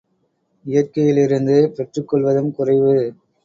இயற்கையிலிருந்து பெற்றுக் கொள்வதும் குறைவு.